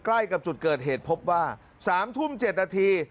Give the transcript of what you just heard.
ใกล้กับจุดเกิดเหตุพบว่า๓ทุ่ม๗นาที